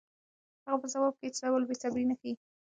هغه په ځواب کې هېڅ ډول بېصبري نه ښيي.